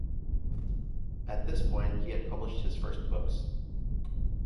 At this point he had published his first books.